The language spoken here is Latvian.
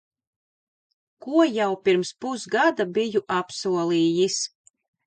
Ko jau pirms pusgada biju apsolījis.